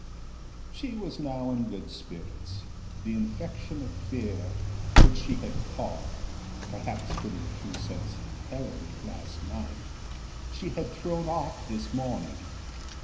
She was now in good spirits. The infection of fear which she had caught, perhaps from the too sensitive Helen, last night, she had thrown off this morning.